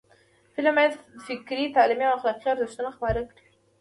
فلم باید فکري، تعلیمي او اخلاقی ارزښتونه خپاره کړي